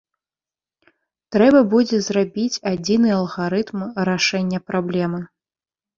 Трэба будзе зрабіць адзіны алгарытм рашэння праблемы.